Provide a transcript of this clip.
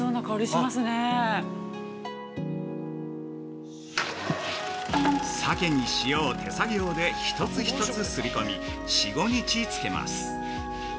◆鮭に塩を手作業で１つ１つ擦り込み、４５日漬けます。